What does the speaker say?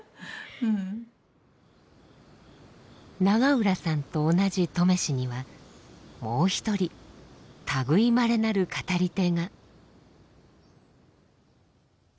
永浦さんと同じ登米市にはもう一人類いまれなる語り手が。